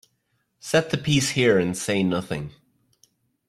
Set the piece here and say nothing.